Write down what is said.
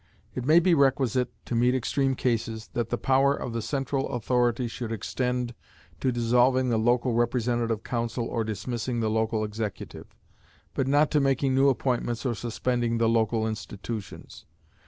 It may be requisite, to meet extreme cases, that the power of the central authority should extend to dissolving the local representative council or dismissing the local executive, but not to making new appointments or suspending the local institutions.